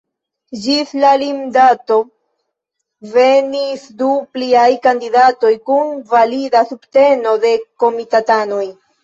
Ĝis la limdato venis du pliaj kandidatoj, kun valida subteno de komitatanoj.